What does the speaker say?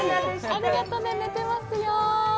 ありがとね、寝てますよ。